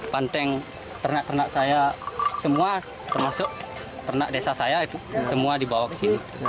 banteng ternak ternak saya semua termasuk ternak desa saya itu semua dibawa ke sini